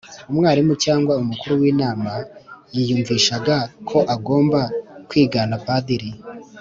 umwalimu cyangwa umukuru w'inama yiyumvishaga ko agomba kwigana padiri